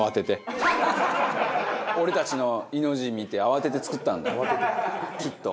俺たちの井の字見て慌てて作ったんだきっと。